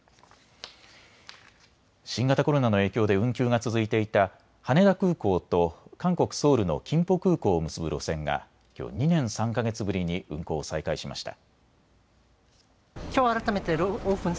新型コロナの影響で運休が続いていた羽田空港と韓国・ソウルのキンポ空港を結ぶ路線がきょう２年３か月ぶりに運航を再開しました。